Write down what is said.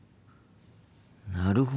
なるほど。